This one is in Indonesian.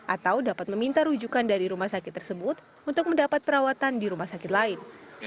atau dapat meminta rujukan dari rumah sakit tersebut untuk mendapat perawatan di rumah sakit lain